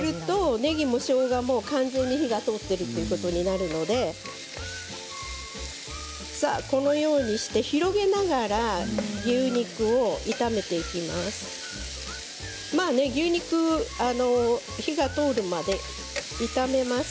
ねぎもしょうがも完全に火が通っているということになるのでこのようにして広げながら牛肉を炒めていきます。